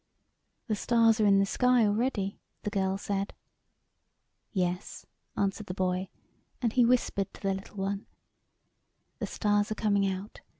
" The stars are in the sky already," the girl said. " Yes," answered the boy, and he whispered to the little one "The stars are coming out.